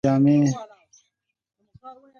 د وطن مې د عسکر جامې ،